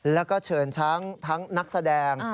แล้วก็เชิญทั้งนักแสดง